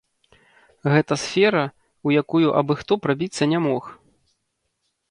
Гэта сфера, у якую абы-хто прабіцца не мог.